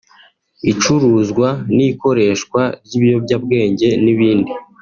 icuruzwa n’ikoreshwa ry’ibiyobyabwenge n’ibindi